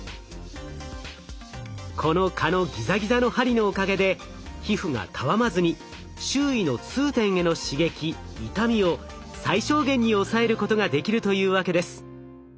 この蚊のギザギザの針のおかげで皮膚がたわまずに周囲の痛点への刺激痛みを最小限に抑えることができるというわけです。